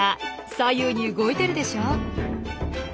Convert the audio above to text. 左右に動いてるでしょ。